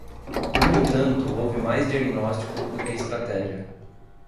No entanto, houve mais diagnóstico do que estratégia.